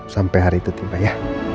sampai hari itu tiba ya